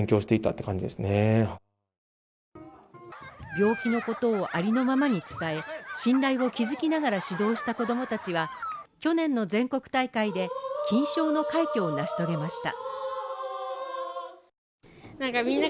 病気のことをありのままに伝え、信頼を築きながら指導した子供たちは去年の全国大会で金賞の快挙を成し遂げました。